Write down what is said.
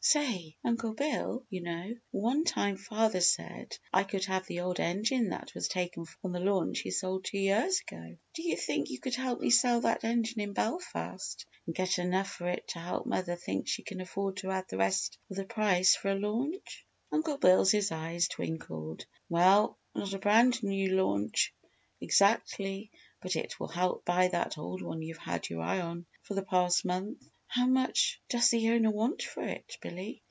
"Say, Uncle Bill, you know, one time father said I could have the old engine that was taken from the launch he sold two years ago. Do you think you could help me sell that engine in Belfast and get enough for it to help mother think she can afford to add the rest of the price for a launch?" Uncle Bill's eyes twinkled. "Well, not a brand new launch exactly, but it will help buy that old one you've had your eye on for the past month!" "How much does the owner want for it, Billy?"